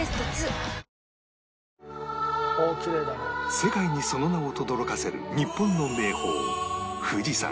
世界にその名をとどろかせる日本の名峰